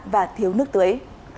và thiếu nước tưới